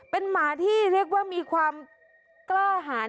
เป็นหมาที่เรียกว่ามีความกล้าหาร